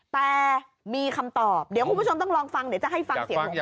แต่มีคำตอบเดี๋ยวคุณผู้ชมต้องลองฟังเดี๋ยวจะให้ฟังเสียงหลวงพ่อ